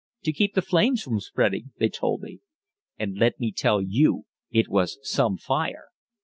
"'To keep the flames from spreading,' they told me. "And let me tell you, it was some fire.